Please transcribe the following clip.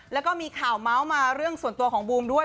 แล้วก็มีข่าวเมาส์มาเรื่องส่วนตัวของบูมด้วย